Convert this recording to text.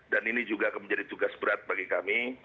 dan ini juga akan menjadi tugas berat bagi kami